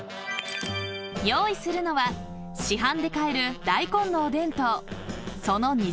［用意するのは市販で買える大根のおでんとその煮汁］